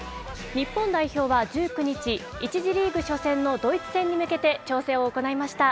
日本代表は１９日、１次リーグ初戦のドイツ戦に向けて、調整を行いました。